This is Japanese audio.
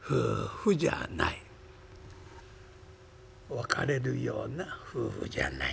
「別れるような夫婦じゃない」。